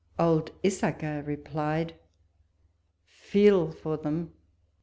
Old Issacher replied, "Feel for them